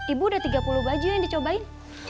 ibu udah tiga puluh baju yang dicobain